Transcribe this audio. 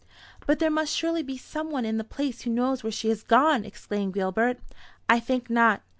"But there must surely be some one in the place who knows where she has gone!" exclaimed Gilbert. "I think not.